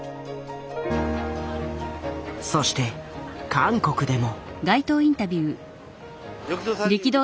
そして韓国でも。